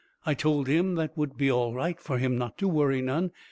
I told him that would be all right, fur him not to worry none.